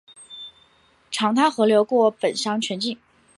长滩河流过本乡全境。